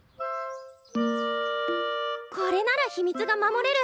これなら秘密が守れる！